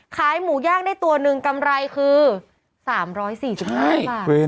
ค้ายหมูย่างได้ตัวหนึ่งกำไรคือ